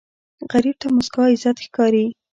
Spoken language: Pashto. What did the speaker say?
غریب ته موسکا عزت ښکاري